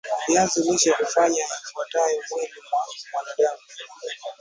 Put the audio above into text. viazi lishe hufanya yafuatayo mwilini mwa mwanadam